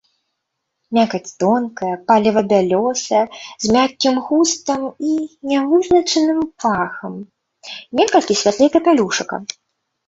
Мякаць тонкая, палева-бялёсая, з мяккім густам і нявызначаным пахам, некалькі святлей капялюшыка.